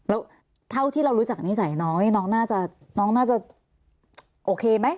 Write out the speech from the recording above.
แล้วเท่าที่เรารู้จักนิสัยน้องน้องน่าจะโอเคไหม